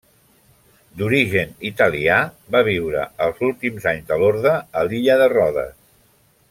D'origen italià va viure els últims anys de l'orde a l'illa de Rodes.